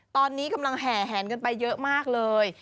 ตอนนี้กำลังแห่แหนกันไปเยอะมากเลย